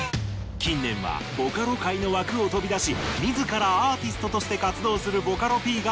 近年はボカロ界の枠を飛び出し自らアーティストとして活動するボカロＰが増加。